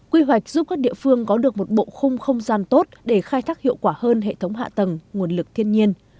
quy hoạch giúp các địa phương có được một bộ khung không gian tốt để khai thác hiệu quả hơn hệ thống hạ tầng nguồn lực thiên nhiên